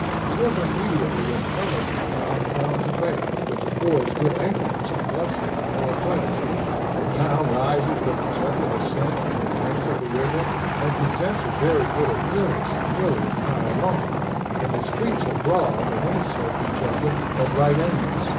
The river immediately in front of the town forms a bay, which affords good anchorage to vessels of all classes. The town rises with a gentle ascent from the banks of the river, and presents a very good appearance for nearly a mile long, and the streets are broad and intersect each other at right angles.